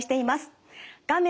画面